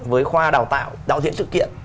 với khoa đào tạo đạo diễn sự kiện